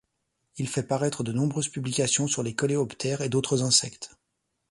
Il fait paraître de nombreuses publications sur les coléoptères et d’autres insectes.